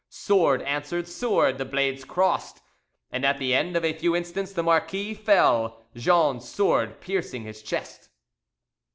Sword answered sword, the blades crossed, and at the end of a few instants the marquis fell, Jean's sword piercing his chest.